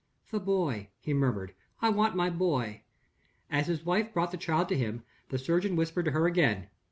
"The boy," he murmured; "I want my boy." As his wife brought the child to him, the surgeon whispered to her again.